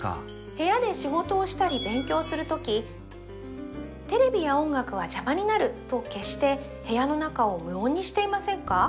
部屋で仕事をしたり勉強するときテレビや音楽は邪魔になると消して部屋の中を無音にしていませんか？